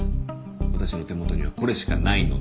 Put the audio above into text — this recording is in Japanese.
私の手元にはこれしかないので。